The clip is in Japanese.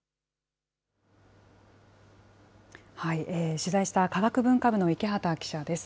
取材した科学文化部の池端記者です。